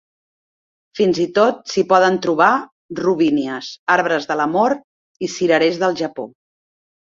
Fins i tot s'hi poden trobar robínies, arbres de l'amor i cirerers del Japó.